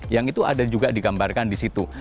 yang itu ada juga digambarkan di situ